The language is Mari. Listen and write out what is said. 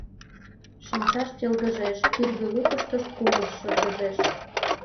Шинчашт йылгыжеш, тӱрвӧ лукыштышт кумыл шыргыжеш.